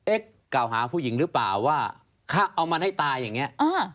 เอ๊ะกล่าวหาผู้หญิงหรือเปล่าว่าเอาก็เอามันให้ตายอย่างเงี้ย